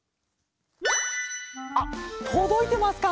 あっとどいてますか？